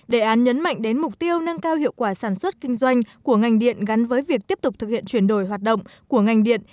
đề án nhấn mạnh đến mục tiêu nâng cao hiệu quả sản xuất kinh doanh của ngành điện gắn với việc tiếp tục thực hiện chuyển đổi hoạt động của ngành điện